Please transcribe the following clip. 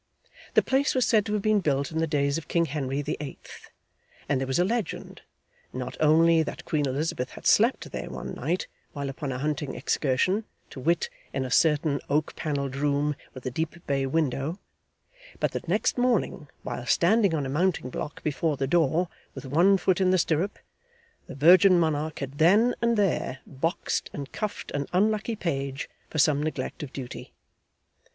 The place was said to have been built in the days of King Henry the Eighth; and there was a legend, not only that Queen Elizabeth had slept there one night while upon a hunting excursion, to wit, in a certain oak panelled room with a deep bay window, but that next morning, while standing on a mounting block before the door with one foot in the stirrup, the virgin monarch had then and there boxed and cuffed an unlucky page for some neglect of duty.